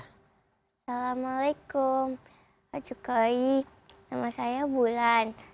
assalamualaikum pak jokowi sama saya bulan